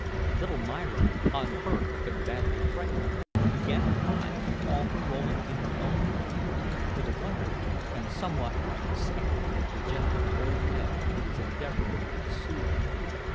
Little Myra, unhurt but badly frightened, began to cry and call for Rowland in her own way, to the wonder, and somewhat to the scandal of the gentle old man who was endeavoring to soothe her.